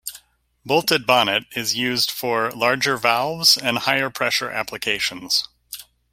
Bolted bonnet is used for larger valves and higher pressure applications.